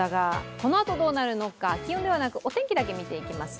このあとどうなるのか、気温ではなくお天気だけ見ていきます。